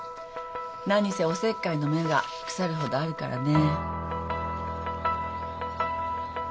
何せおせっかいの目が腐るほどあるからね。